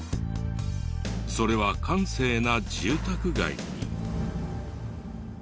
それは閑静な住宅街に。